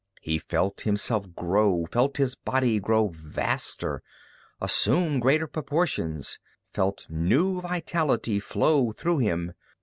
He felt himself grow, felt his body grow vaster, assume greater proportions, felt new vitality flow through him.